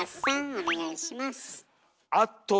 お願いします。